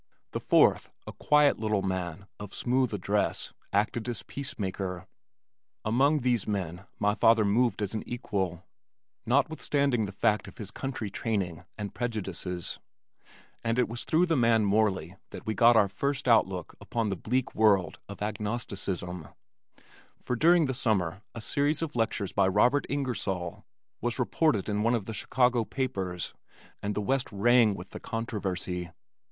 The fourth, a quiet little man of smooth address, acted as peacemaker. Among these men my father moved as an equal, notwithstanding the fact of his country training and prejudices, and it was through the man Morley that we got our first outlook upon the bleak world of Agnosticism, for during the summer a series of lectures by Robert Ingersoll was reported in one of the Chicago papers and the West rang with the controversy.